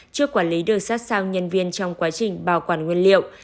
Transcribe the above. trước quản lý đưa sát sao nhân viên trong quá trình bảo quản nguyên liệu